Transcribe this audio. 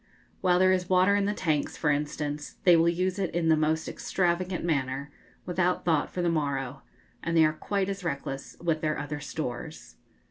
While there is water in the tanks, for instance, they will use it in the most extravagant manner, without thought for the morrow; and they are quite as reckless with their other stores.